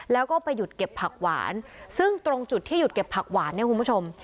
แล้วก็ไปหยุดเก็บผักหวานซึ่งตรงจุดที่หยุดเก็บผักหวานเนี่ยคุณผู้ชม